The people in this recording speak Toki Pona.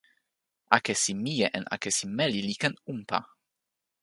akesi mije en akesi meli li ken unpa.